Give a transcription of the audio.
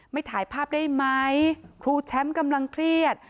ถ่ายภาพได้ไหมครูแชมป์กำลังเครียด